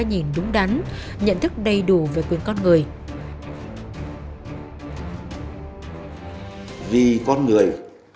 nhận thức đầy đủ về quyền con người